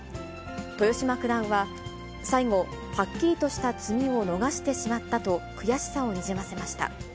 豊島九段は、最後、はっきりとした詰みを逃してしまったと、悔しさをにじませました。